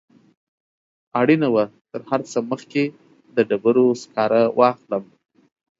اړینه وه تر هر څه مخکې د ډبرو سکاره واخلم.